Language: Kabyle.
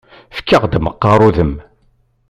Fek-aɣ-d meqqaṛ udem.